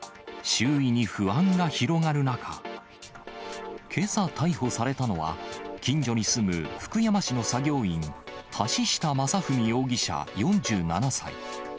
周囲に不安が広がる中、けさ逮捕されたのは、近所に住む福山市の作業員、橋下政史容疑者４７歳。